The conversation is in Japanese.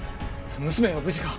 娘は無事か？